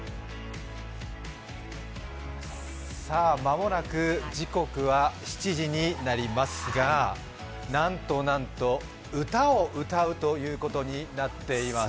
間もなく時刻は７時になりますがなんとなんと歌を歌うということになっています。